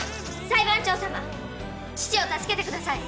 裁判長様父を助けてください！